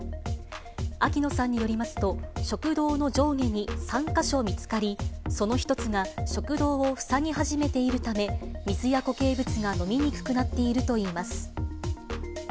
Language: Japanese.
秋野さんによりますと、食道の上下に３か所見つかり、その１つが食道を塞ぎ始めているため、水や固形物が飲みにくくなっているといいます。